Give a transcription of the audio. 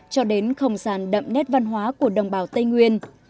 cho đến không gian đậm nét văn hóa của đồng bào tây nguyên